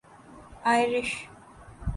Irish